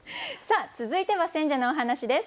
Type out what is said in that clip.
続いては選者のお話です。